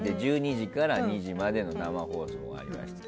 １２時から２時までの生放送がありました。